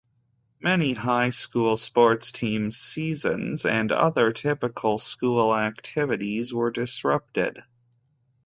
Many high school sports teams' seasons and other typical school activities were disrupted.